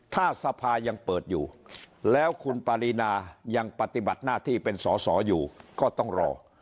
ถ้าสภายังเปิดอยู่แล้วคุณปารีนายังปฏิบัติหน้าที่เป็นสอสออยู่ก็ต้องรอ